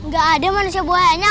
gak ada manusia buayanya